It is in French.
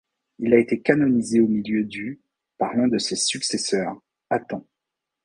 Il a été canonisé au milieu du par l'un de ses successeurs, Hatton.